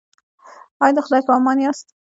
ایا د خدای په امان یاست؟